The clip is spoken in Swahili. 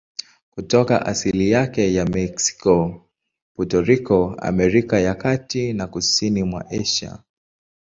Kutoka asili yake ya Meksiko, Puerto Rico, Amerika ya Kati na kusini mwa Asia.